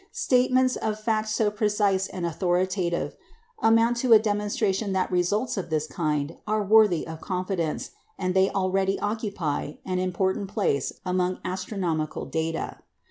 Statements of fact so precise and authoritative amount to a demonstration that results of this kind are worthy of confidence; and they already occupy an important place among astronomical data.